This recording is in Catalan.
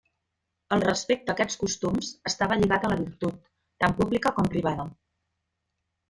El respecte a aquests costums estava lligat a la virtut, tant pública com privada.